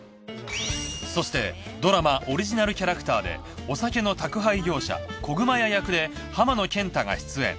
そしてドラマオリジナルキャラクターでお酒の宅配業者こぐま屋役で浜野謙太が出演。